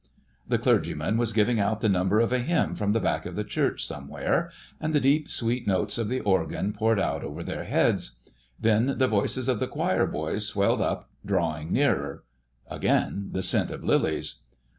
The clergyman was giving out the number of a hymn from the back of the church somewhere, and the deep, sweet notes of the organ poured out over their heads: then the voices of the choir boys swelled up, drawing nearer.... Again the scent of lilies.